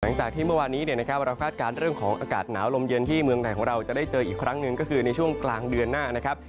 หลังจากที่เมื่อวานนี้เราคาดการณ์เรื่องของอากาศหนาวลมเย็นที่เมืองไทยของเราจะได้เจออีกครั้งหนึ่งก็คือในช่วงกลางเดือนหน้านะครับ